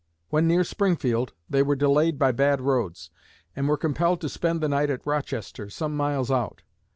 When near Springfield they were delayed by bad roads, and were compelled to spend the night at Rochester, some miles out.